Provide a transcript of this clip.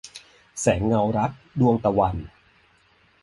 แสงเงารัก - ดวงตะวัน